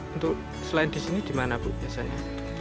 untuk selain di sini di mana bu biasanya